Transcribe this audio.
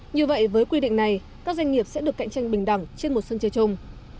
như vậy với quy định này các doanh nghiệp sẽ được cạnh tranh bình đẳng trên một sân chơi chung